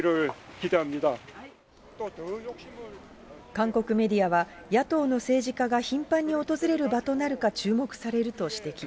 韓国メディアは、野党の政治家が頻繁に訪れる場となるか注目されると指摘。